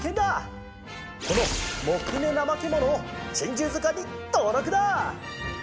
このモクメナマケモノを「珍獣図鑑」にとうろくだ！